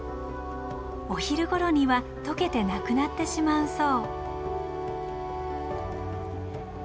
お昼頃にはとけてなくなってしまうそう。